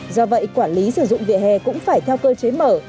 do vậy quản lý sử dụng vỉa hè cũng phải theo cơ chế mở